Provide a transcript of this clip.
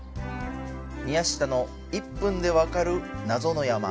宮下の１分でわかる謎の山